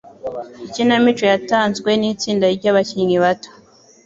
Ikinamico yatanzwe nitsinda ryabakinnyi bato.